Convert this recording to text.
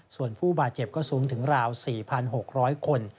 ส่วนผู้บาดเจ็บก็สูงถึงราว๔๖๐๐คน